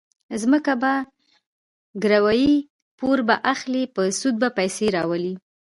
ځمکه به ګروي، پور به اخلي، په سود به پیسې راولي.